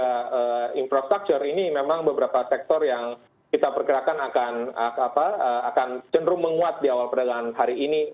dan juga infrastruktur ini memang beberapa sektor yang kita perkerakan akan cenderung menguat di awal perdagangan hari ini